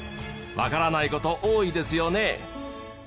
わからない事多いですよね。